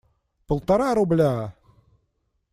Полтора рубля!